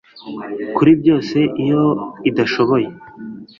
kuri byose iyo idashoboye